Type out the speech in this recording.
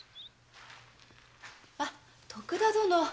あ徳田殿。